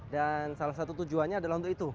dan salah satu tujuannya adalah untuk itu